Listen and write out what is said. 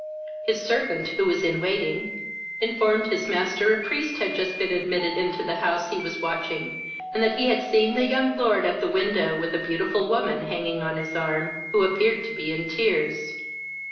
His servant, who was in waiting, informed his master a priest had been just admitted into the house he was watching, and that he had seen the young lord at the window with a beautiful woman hanging on his arm, who appeared to be in tears.